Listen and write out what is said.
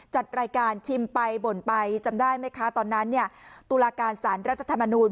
จัดรายการชิมไปบ่นไปจำได้ไหมคะตอนนั้นเนี่ยตุลาการสารรัฐธรรมนูล